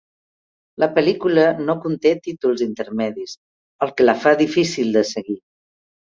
La pel·lícula no conté títols intermedis, el que la fa difícil de seguir.